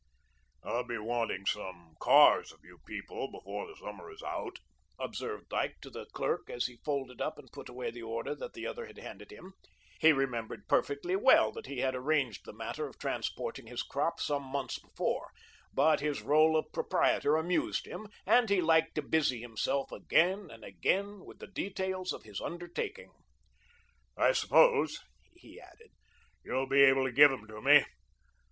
"I'll be wanting some cars of you people before the summer is out," observed Dyke to the clerk as he folded up and put away the order that the other had handed him. He remembered perfectly well that he had arranged the matter of transporting his crop some months before, but his role of proprietor amused him and he liked to busy himself again and again with the details of his undertaking. "I suppose," he added, "you'll be able to give 'em to me.